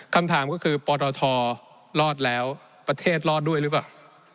คำถามก็คือปตทรอดแล้วประเทศรอดด้วยหรือเปล่า